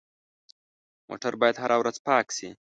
موټر باید هره ورځ پاک شي.